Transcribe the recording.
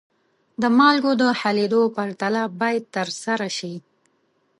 د مالګو د حلیدو پرتله باید ترسره شي.